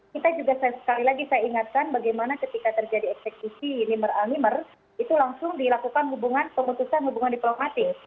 kita juga sekali lagi saya ingatkan bagaimana terjadi ketika seksisi m unveiled itu langsung dilakukan pemutusan hubungan diplomatis